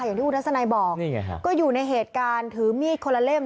อย่างที่คุณทัศนัยบอกก็อยู่ในเหตุการณ์ถือมีดคนละเล่ม